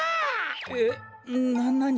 えっななに？